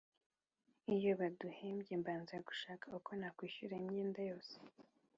Iyo baduhembwe mbanza gushaka uko nakishyura imyenda yose